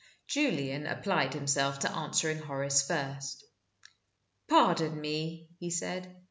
Julian applied himself to answering Horace first. "Pardon me," he said.